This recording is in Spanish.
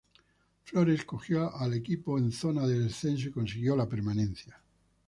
Flores cogió al equipo en zona de descenso y consiguió la permanencia.